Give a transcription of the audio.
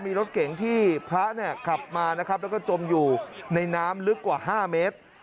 มีรถเก๋งที่พระเนี่ยขับมานะครับแล้วก็จมอยู่ในน้ำลึกกว่า๕เมตร